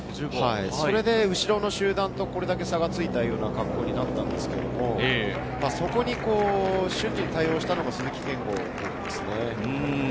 それで後ろの集団とこれだけ差がついたような格好になったんですけど、そこに瞬時に対応したのが鈴木健吾ですね。